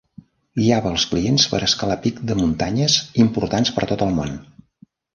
Guiava els clients per escalar pic de muntanyes importants per tot el món.